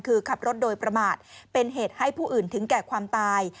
คือขับรถโดยประมาทเป็นเหตุให้ผู้อื่นถึงแก่ความตาย